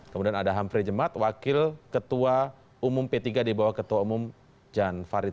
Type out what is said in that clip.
kemudian ada hamfrey jemad wakil ketua umum p tiga di bawah ketua umum jan farid